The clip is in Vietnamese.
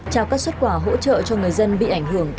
trao các xuất quả hỗ trợ cho người dân bị ảnh hưởng